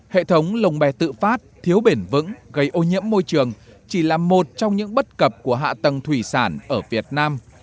hệ thống lồng bè tự phát thiếu bền vững gây ô nhiễm môi trường chỉ là một trong những bất cập của hạ tầng thủy sản ở việt nam